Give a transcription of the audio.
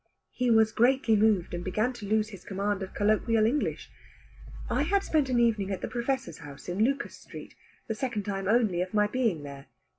He was greatly moved, and began to lose his command of colloquial English. I had spent an evening at the Professor's house in Lucas Street, the second time only of my being there.